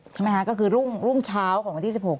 ใช่ไหมคะก็คือรุ่งเช้าของวันที่๑๖